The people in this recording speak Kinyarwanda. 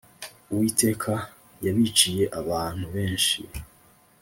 Uwiteka yabiciye abantu benshi